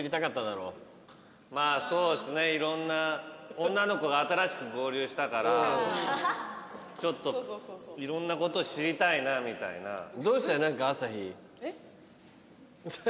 そうっすねいろんな女の子が新しく合流したからちょっといろんなこと知りたいなぁみたいな。